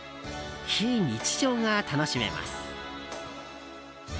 非日常が楽しめます。